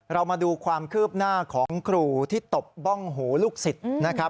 เรามาดูความคืบหน้าของครูที่ตบบ้องหูลูกศิษย์นะครับ